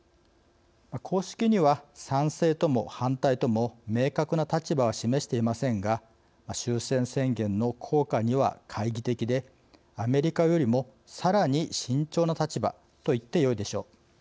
公式には賛成とも反対とも明確な立場は示していませんが終戦宣言の効果には懐疑的でアメリカよりも、さらに慎重な立場といってよいでしょう。